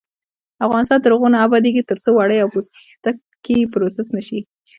افغانستان تر هغو نه ابادیږي، ترڅو وړۍ او پوستکي پروسس نشي.